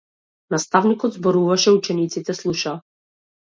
Наставникот зборуваше а учениците слушаа.